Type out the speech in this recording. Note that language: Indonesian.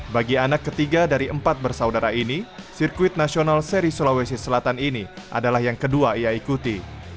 bagi anak ketiga dari empat bersaudara ini sirkuit nasional seri sulawesi selatan ini adalah yang kedua ia ikuti